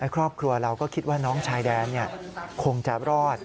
ครอบครัวเราก็คิดว่าน้องชายแดนคงจะรอด